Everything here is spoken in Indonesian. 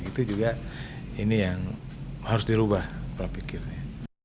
itu juga ini yang harus dirubah pola pikirnya